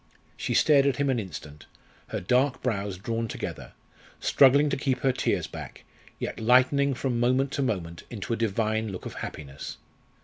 She stared at him an instant, her dark brows drawn together, struggling to keep her tears back, yet lightening from moment to moment into a divine look of happiness.